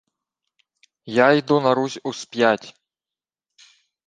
— Я йду на Русь yсп'ять.